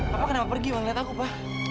papa kenapa pergi ngeliat aku pa